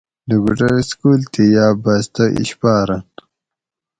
لوکوٹور سکول تھی یاۤ بستہ اِشپاۤرن